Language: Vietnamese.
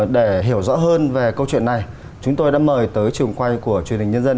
để hiểu rõ hơn về câu chuyện này chúng tôi đã mời tới trường quay của truyền hình nhân dân